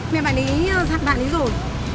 mẹ bà ấy dặn bạn ấy rồi